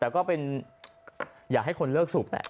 ก็เป็นอยากให้คนเลิกสูบนะ